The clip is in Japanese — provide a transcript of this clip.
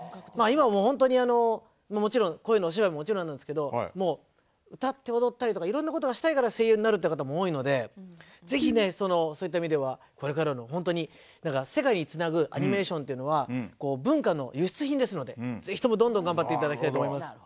今もうホントにもちろん声のお仕事はもちろんなんですけどもう歌って踊ったりとかいろんなことがしたいから声優になるって方も多いのでぜひねそういった意味ではこれからのホントに世界につなぐアニメーションっていうのは文化の輸出品ですのでぜひともどんどん頑張って頂きたいと思います。